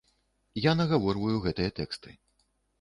Я нагаворваю гэтыя тэксты.